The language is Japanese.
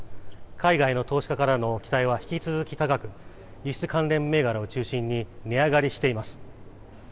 海外の投資家からの期待は引き続き高く輸出関連銘柄を中心に値上がりしています。